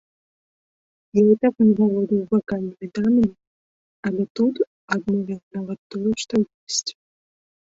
Я і так не валодаю вакальнымі данымі, але тут адмовіла нават тое, што ёсць.